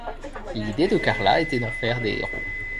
L'idée de Carla était d'en faire des héros.